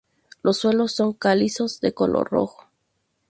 Los suelos son calizos de color rojo.